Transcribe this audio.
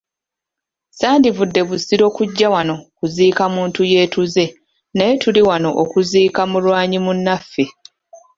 Sandivudde Busiro kujja wano kuziika muntu yeetuze naye tuli wano okuziika mulwanyi munnaffe.